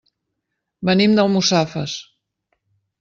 Venim d'Almussafes.